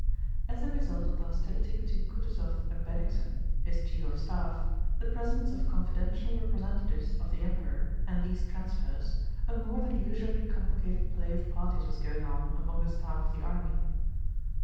As a result of the hostility between Kutúzov and Bennigsen, his Chief of Staff, the presence of confidential representatives of the Emperor, and these transfers, a more than usually complicated play of parties was going on among the staff of the army.